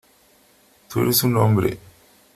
tú eres un hombre .